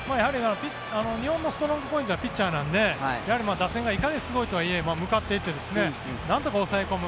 日本のストロングポイントはピッチャーなので打線がいかにすごいとはいえ向かっていってなんとか抑え込む。